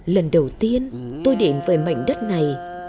lần đầu tiên tôi đến với mảnh đất này